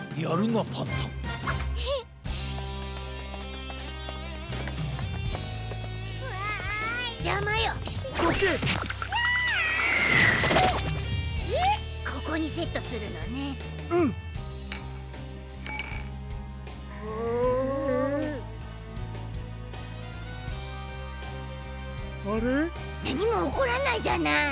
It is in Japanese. なにもおこらないじゃない！